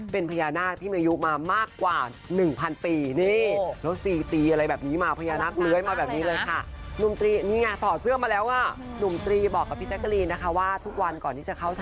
เป็นพยานาคที่มีอายุมามากกว่านึกพันปีนี่